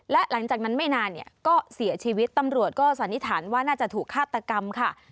และหลังจากนั้นไม่นานเนี่ยก็เสียชีวิตตำรวจก็สันนิษฐานว่าน่าจะถูกฆาตกรรมค่ะ